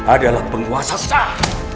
adalah penguasa sah